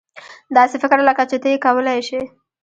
داسې فکر لکه چې ته یې کولای شې.